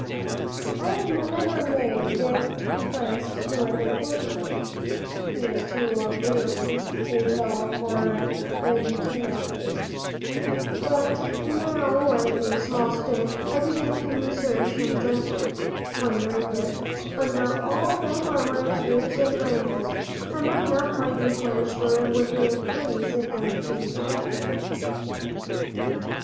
I had never made friends with a porcupine, he is too briery a fellow for intimacies, but now with a small stick I began to search him gently, wondering if, under all that armor of spears and brambles, I might not find a place where it would please him to be scratched.